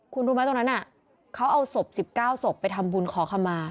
คุณรู้ไหมตรงนั้นน่ะเขาเอาสบ๑๙สบไปทำบุญขอคำมา